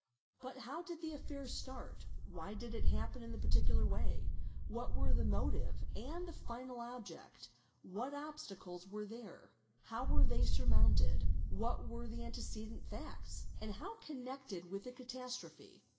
But how did the affair start, why did it happen in this particular way, what were the | motive and the final object, what obstacles were there, how were they | surmounted, what were the antecedent facts, and how connected with the catastrophe?